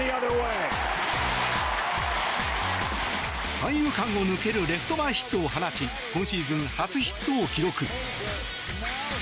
三遊間を抜けるレフト前ヒットを放ち今シーズン初ヒットを記録。